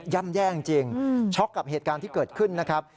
่ำแย่จริงช็อกกับเหตุการณ์ที่เกิดขึ้นนะครับ